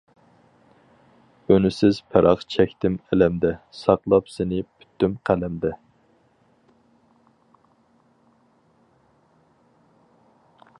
ئۈنسىز پىراق چەكتىم ئەلەمدە، ساقلاپ سېنى پۈتتۈم قەلەمدە.